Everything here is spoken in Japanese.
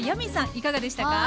いかがでしたか。